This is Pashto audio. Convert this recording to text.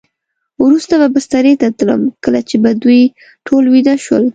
وروسته به بسترې ته تلم، کله چې به دوی ټول ویده شول.